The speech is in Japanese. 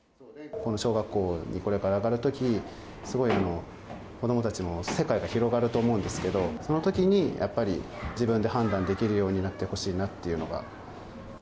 小学校にこれから上がるとき、すごい、子どもたちも世界が広がると思うんですけど、そのときにやっぱり、自分で判断できるようになってほしいなっていうのが。